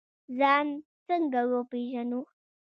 ځان څنګه وپیژنو؟